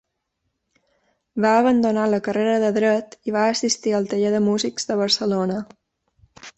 Va abandonar la carrera de Dret i va assistir al Taller de Músics de Barcelona.